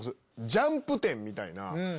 『ジャンプ』展みたいな。